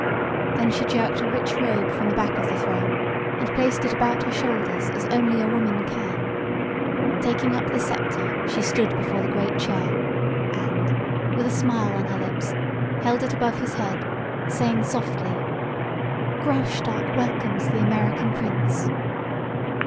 Then she jerked a rich robe from the back of the throne and placed it about her shoulders as only a woman can. Taking up the scepter she stood before the great chair, and, with a smile on her lips, held it above his head, saying softly: "Graustark welcomes the American prince."